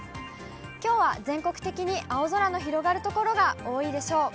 きょうは全国的に青空の広がる所が多いでしょう。